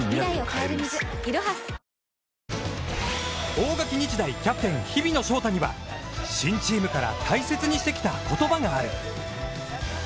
大垣日大キャプテン日比野翔太には新チームから大切にしてきた言葉がある。